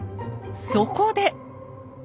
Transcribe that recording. そこで。